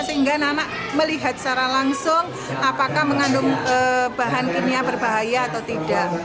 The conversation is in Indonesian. sehingga anak anak melihat secara langsung apakah mengandung bahan kimia berbahaya atau tidak